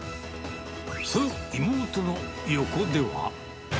その妹の横では。